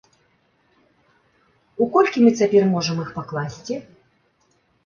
У колькі мы цяпер можам іх пакласці?